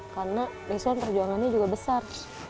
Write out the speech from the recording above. karena liswan perjuangannya juga besar